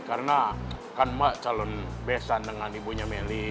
karena kan mah calon besan dengan ibunya meli